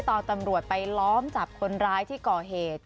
ตอนตำรวจไปล้อมจับคนร้ายที่ก่อเหตุ